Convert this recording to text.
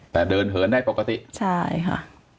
แต่เดินเหินได้ปกติใช่ค่ะ